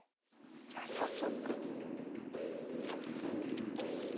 じゃあ早速。